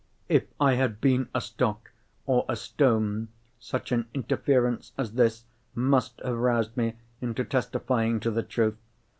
If I had been a stock or a stone, such an interference as this must have roused me into testifying to the truth.